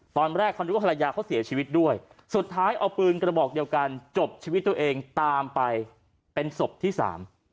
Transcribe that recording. ตอนแรกเขานึกว่าภรรยาเขาเสียชีวิตด้วยสุดท้ายเอาปืนกระบอกเดียวกันจบชีวิตตัวเองตามไปเป็นศพที่สาม